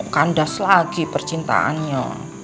kandas lagi percintaannya